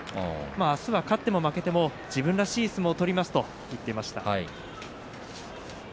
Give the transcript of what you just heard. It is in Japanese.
あすは勝っても負けても自分らしい相撲を取りますと言っていました。